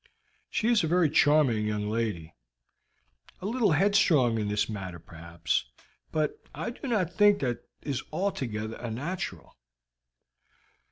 She is a very charming young lady, a little headstrong in this matter, perhaps, but I do not think that that is altogether unnatural."